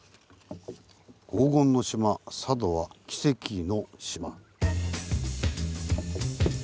「“黄金の島”佐渡は“キセキの島”⁉」。